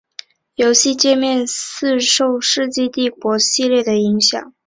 游戏介面似受世纪帝国系列的影响。